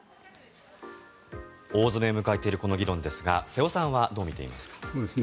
大詰めを迎えているこの議論ですが瀬尾さんはどう見ていますか。